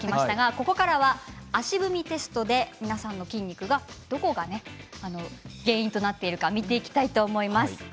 ここからは足踏みテストで皆さんの筋肉のどこが原因となっているか見ていきたいと思います。